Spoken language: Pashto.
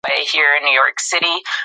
دغه کوڅه تر هغې بلې کوڅې ډېره تنګه ده.